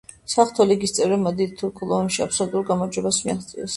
საღვთო ლიგის წევრებმა დიდ თურქულ ომში აბსოლუტურ გამარჯვებას მიაღწიეს.